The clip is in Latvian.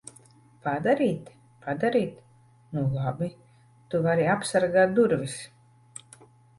Padarīt? Padarīt? Nu labi. Tu vari apsargāt durvis.